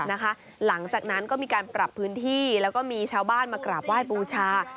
หลังจากนั้นก็มีการปรับพื้นที่แล้วก็มีชาวบ้านมากราบไหว้บูชา